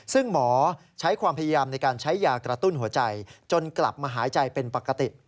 ซึ่งหมอใช้ความพยายามในการใช้ยากระตุ้นหัวใจจนกลับมาหายใจเป็นปกติ